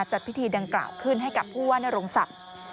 จัดพิธีดังกล่าวขึ้นให้กับผู้ว่านโรงศักดิ์